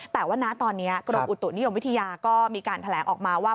แต่ว่านะตอนนี้กรมอุตุนิยมวิทยาก็มีการแถลงออกมาว่า